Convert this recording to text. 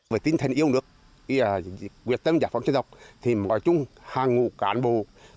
với tinh thần yêu nước quyền tâm giả phóng chế độc thì mọi chung hàng ngụ cán bộ